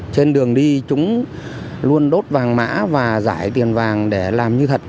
trên đường đi chúng luôn đốt vàng mã và giải tiền vàng để làm như thật